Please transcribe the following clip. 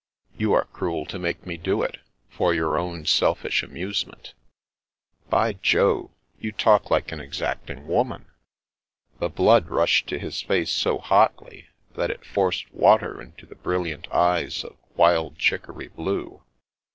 " You are cruel to make me do it, for your own selfish amusement." " By Jove ! You talk like an exacting woman 1 " The blood rushed to his face so hotly that it forced water into the brilliant eyes of wild chicory blue.